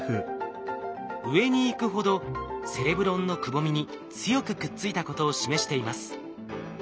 上に行くほどセレブロンのくぼみに強くくっついたことを示しています。